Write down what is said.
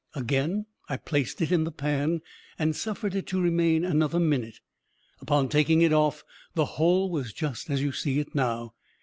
Again I placed it in the pan, and suffered it to remain another minute. Upon taking it off, the whole was just as you see it now."